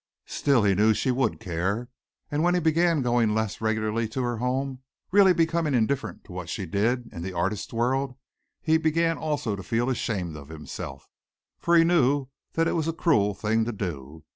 Still, he knew she would care, and when he began going less regularly to her home, really becoming indifferent to what she did in the artists' world, he began also to feel ashamed of himself, for he knew that it was a cruel thing to do.